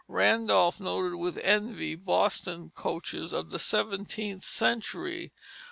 Randolph noted with envy the Boston coaches of the seventeenth century.